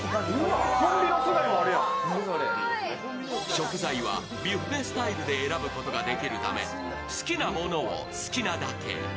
食材はビュッフェスタイルで選ぶことができるため好きなものを好きなだけ。